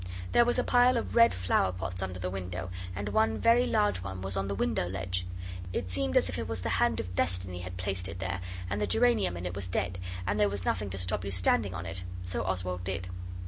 There was a pile of red flower pots under the window and one very large one was on the window ledge. It seemed as if it was the hand of Destiny had placed it there, and the geranium in it was dead, and there was nothing to stop your standing on it so Oswald did.